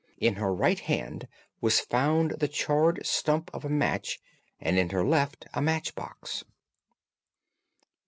In her right hand was found the charred stump of a match, and in her left a match box."